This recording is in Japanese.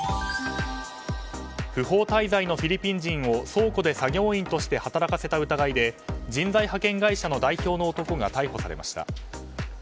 不法滞在のフィリピン人を倉庫で作業員として働かせた疑いで人材派遣会社の代表の男が逮捕されました。